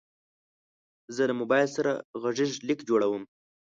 زه له موبایل سره غږیز لیک جوړوم.